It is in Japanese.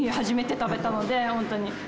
初めて食べたので本当に。